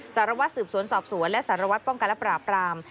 สารวัตรสืบสวนสอบสวนและสารวัตรป้องกันและปราบราม